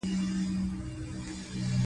بدخشان د افغانانو د ژوند طرز اغېزمنوي.